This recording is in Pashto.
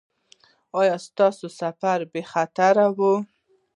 ایا ستاسو سفر بې خطره و؟